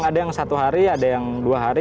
ada yang satu hari ada yang dua hari